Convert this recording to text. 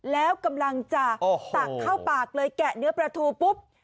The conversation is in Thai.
แล้วกำลังจะตักเข้าปากเลยแกะเนื้อปลาทูปุ๊บ